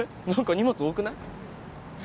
何か荷物多くない？